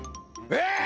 えっ？